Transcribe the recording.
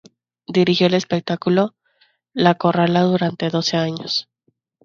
Dirigió el espectáculo La Corrala durante doce años.